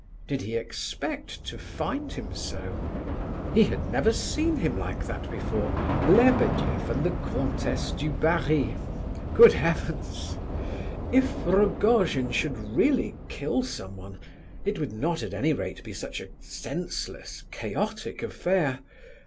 Did he expect to find him so? He had never seen him like that before. Lebedeff and the Comtesse du Barry! Good Heavens! If Rogojin should really kill someone, it would not, at any rate, be such a senseless, chaotic affair.